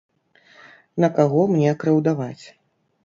На каго мне крыўдаваць.